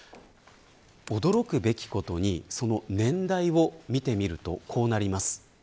驚くべきことにその年代を見てみるとこうなります。